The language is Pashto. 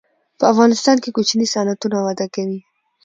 په افغانستان کې کوچني صنعتونه وده کوي.